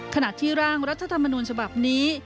ขณะที่ร่างรัฐธรรมนูญฉบับนี้